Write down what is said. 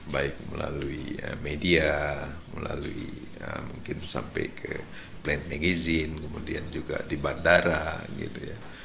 baik melalui media melalui mungkin sampai ke plan magizine kemudian juga di bandara gitu ya